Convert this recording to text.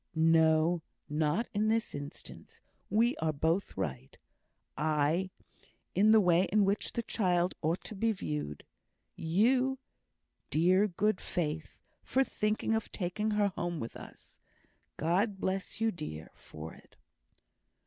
"No, not in this instance. We are both right: I, in the way in which the child ought to be viewed; you, dear good Faith, for thinking of taking her home with us. God bless you, dear, for it!"